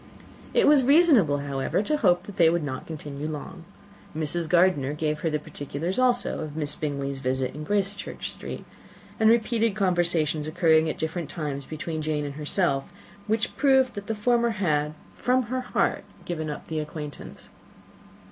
It was reasonable, however, to hope that they would not continue long. Mrs. Gardiner gave her the particulars also of Miss Bingley's visit in Gracechurch Street, and repeated conversations occurring at different times between Jane and herself, which proved that the former had, from her heart, given up the acquaintance.